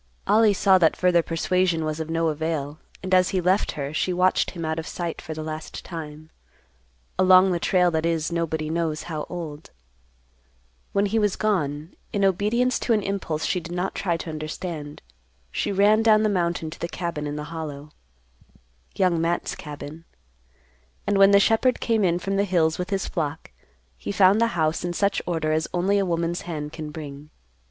Ollie saw that further persuasion was of no avail, and as he left her, she watched him out of sight for the last time—along the trail that is nobody knows how old. When he was gone, in obedience to an impulse she did not try to understand, she ran down the mountain to the cabin in the Hollow—Young Matt's cabin. And when the shepherd came in from the hills with his flock he found the house in such order as only a woman's hand can bring.